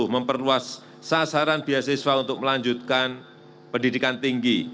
memperluas sasaran biaya siswa untuk melanjutkan pendidikan tinggi